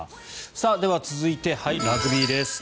では続いて、ラグビーです。